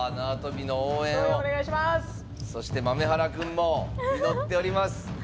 そして、豆原くんも祈っております。